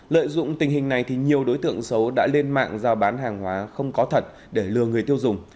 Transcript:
lợi dụng tình hình này thì nhiều đối tượng xấu đã lên mạng giao bán hàng hóa không có thật để lừa người tiêu dùng